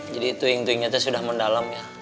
jadi tuing tuingnya sudah mendalam ya